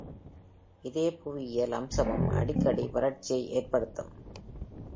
இதே புவியியல் அம்சமும் அடிக்கடி வறட்சியை ஏற்படுத்தும்.